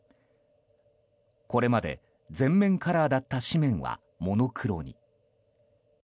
これまで全面カラーだった紙面はモノクロに。